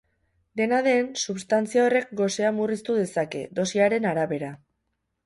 Dena den, substantzia horrek gosea murriztu dezake, dosiaren arabera.